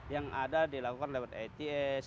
yang ada dilakukan lewat its